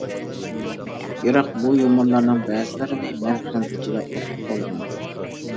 بىراق بۇ يۇمۇرلارنىڭ بەزىلىرىنى مەن خەنزۇچىدا ئوقۇپ بولغان.